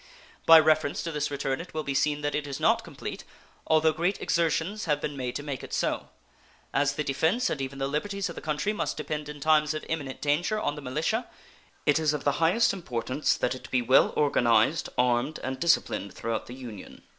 By reference to this return it will be seen that it is not complete, although great exertions have been made to make it so. As the defense and even the liberties of the country must depend in times of imminent danger on the militia, it is of the highest importance that it be well organized, armed, and disciplined throughout the Union.